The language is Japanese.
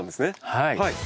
はい。